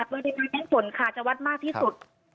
ปริมาณแม่งฝนค่ะจะวัดมากที่สุด